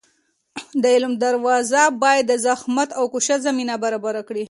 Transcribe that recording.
د علم اداره باید د زحمت او کوشش زمینه برابره کړي.